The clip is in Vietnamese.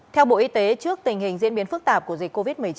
theo bộ y tế trước tình hình diễn biến phức tạp của dịch covid một mươi chín